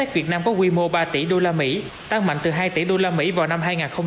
việt nam có quy mô ba tỷ đô la mỹ tăng mạnh từ hai tỷ đô la mỹ vào năm hai nghìn một mươi chín